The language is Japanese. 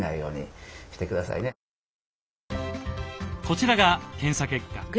こちらが検査結果。